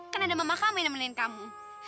kan ada mama kamu yang nemenin kamu